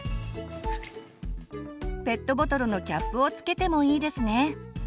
ペットボトルのキャップを付けてもいいですね。